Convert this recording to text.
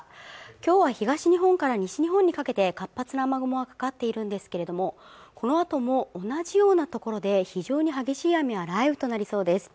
今日は東日本から西日本にかけて活発な雨雲がかかっているんですけれどもこのあとも同じようなところで非常に激しい雨や雷雨となりそうです